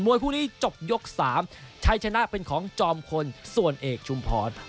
คู่นี้จบยก๓ชัยชนะเป็นของจอมพลส่วนเอกชุมพร